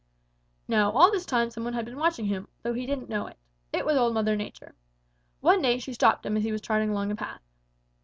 "Now all this time some one had been watching him, though he didn't know it. It was Old Mother Nature. One day she stopped him as he was trotting along a path.